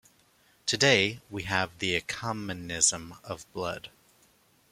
Today, we have the ecumenism of blood.